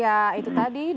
dalam pandemi seperti ini ya